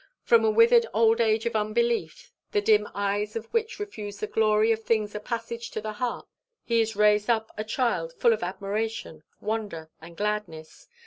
From a withered old age of unbelief, the dim eyes of which refuse the glory of things a passage to the heart, he is raised up a child full of admiration, wonder, and gladness.